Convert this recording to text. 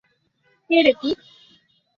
কে রে তুই?